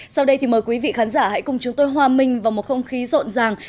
sau đây thì mời quý vị khán giả hãy cùng chúng tôi hòa minh vào một không khí rộn ràng